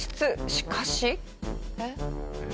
しかし。えっ？